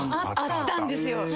あったんですよ。